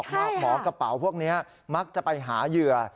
หมอกระเป๋าพวกนี้มักจะไปหาเหยื่อ